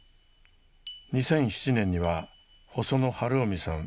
２００７年には細野晴臣さん